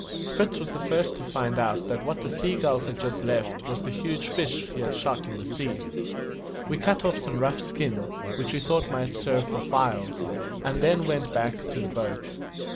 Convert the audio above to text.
Fritz was the first to find out that what the sea gulls had just left was the huge fish he had shot in the sea. We cut off some rough skin, which we thought might serve for files, and then went back to the boat.